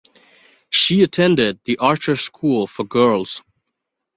She attended The Archer School for Girls.